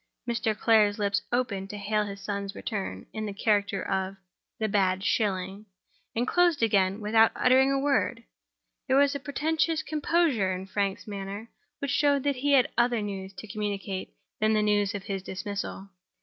Mr. Clare's lips opened to hail his son's return, in the old character of the "bad shilling"; and closed again without uttering a word. There was a portentous composure in Frank's manner which showed that he had other news to communicate than the news of his dismissal.